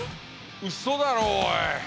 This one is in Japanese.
ウソだろおい！